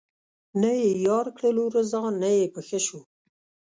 نه یې یار کړلو رضا نه یې په ښه شو